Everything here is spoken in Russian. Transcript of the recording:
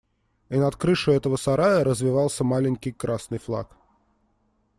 И над крышею этого сарая развевался маленький красный флаг.